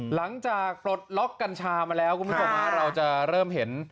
หลังจากตรดล็อคกัญชามาแล้วคุณผู้ชมฮะเราจะเริ่มเห็น